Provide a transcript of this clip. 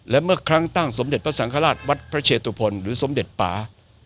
และเมื่อครั้งตั้งสมเด็จพระสังฆราชวัดพระเชตุพลหรือสมเด็จป่า